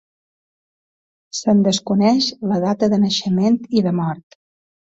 Se'n desconeix la data de naixement i de mort.